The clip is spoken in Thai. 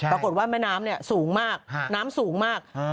ปรากฏว่าแม่น้ำสูงมากน้ำสูงมาก